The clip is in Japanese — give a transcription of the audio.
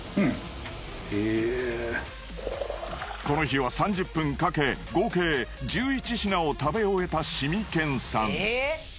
この日は３０分かけ合計１１品を食べ終えたしみけんさん。